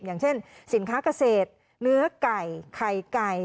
อย่างเช่นสินค้าเกษตรเนื้อไก่ไข่ไก่